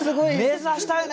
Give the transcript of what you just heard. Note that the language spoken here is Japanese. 目指したいね。